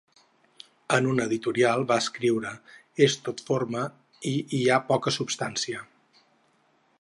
En un editorial va escriure: ‘És tot forma i hi ha poca substància’.